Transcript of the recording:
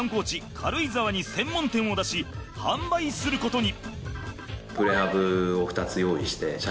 軽井沢に専門店を出し販売することに。